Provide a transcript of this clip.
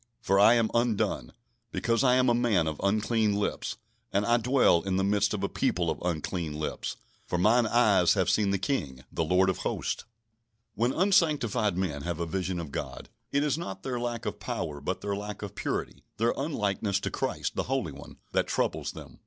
for I am undone; because I am a man of unclean lips, and I dwell in the midst of a people of unclean lips: for mine eyes have seen the King, the Lord of Hosts." When unsanctified men have a vision of God, it is not their lack of power, but their lack of purity, their unlikeness to Christ, the Holy One, that troubles them.